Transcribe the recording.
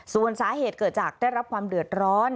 ส่วนสาเหตุเกิดจากได้รับความเดือดร้อน